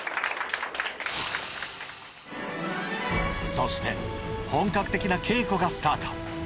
そして本格的な稽古がスタート